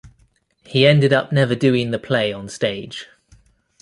He ended up never doing the play on stage.